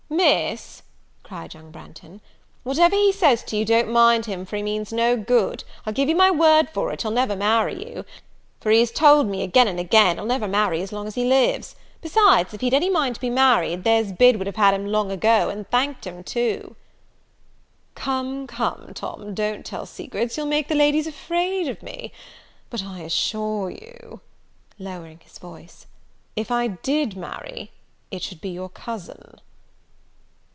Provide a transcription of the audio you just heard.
"Miss," cried young Branghton, "whatever he says to you don't mind him for he means no good; I'll give you my word for it, he'll never marry you; for he has told me again and again, he'll never marry as long as he lives; besides, if he'd any mind to be married, there's Bid would have had him long ago, and thanked him too." "Come, come, Tom, don't tell secrets; you'll make the ladies afraid of me: but I assure you," lowering his voice, "if I did marry, it should be your cousin."